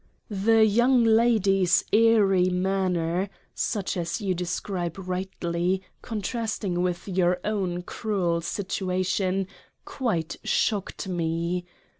The young Lady's airy manner such as you describe rightly, contrasting with your own cruel Situation quite shocked me.